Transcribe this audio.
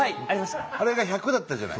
あれが１００だったじゃない？